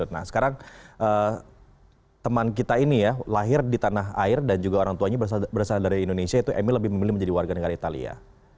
nah sekarang teman kita ini ya lahir di tanah air dan juga orang tuanya berasal dari indonesia itu emil lebih memilih menjadi warga negara italia